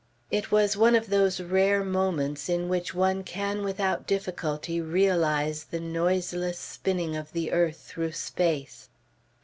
It was one of those rare moments in which one can without difficulty realize the noiseless spinning of the earth through space.